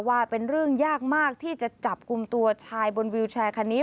ว่าเป็นเรื่องยากมากที่จะจับกลุ่มตัวชายบนวิวแชร์คันนี้